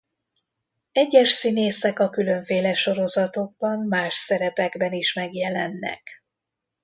Egyes színészek a különféle sorozatokban más szerepekben is megjelennek.